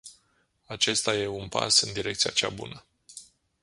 Acesta e un pas în direcția cea bună.